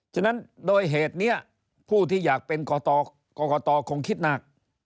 ฉะนั้นโดยเหตุนี้ผู้ที่อยากเป็นกรกตคงคิดมาก